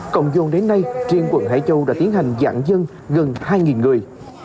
cộng dồn đến nay riêng quận hải châu đã tiến hành giãn dân gần hai người